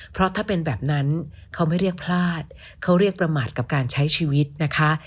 เพราะถ้าเป็นแบบนั้นเขาไม่เรียกพลาดเขาเรียกประมาทกับการใช้ชีวิตนะคะ